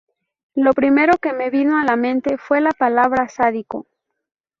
Lo primero que me vino a la mente fue la palabra sádico.